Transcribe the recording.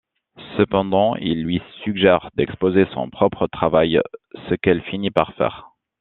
Cependant, il lui suggère d'exposer son propre travail, ce qu'elle finit par faire.